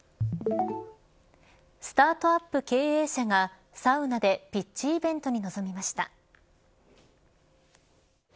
スタートアップ経営者がサウナでピッチイベントに臨みました。